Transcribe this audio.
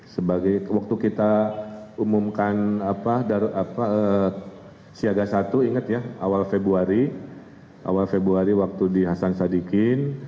jadi waktu kita umumkan siaga satu ingat ya awal februari awal februari waktu di hasan sadikin